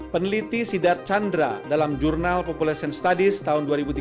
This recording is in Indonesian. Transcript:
peneliti sidar chandra dalam jurnal population studies tahun dua ribu tiga belas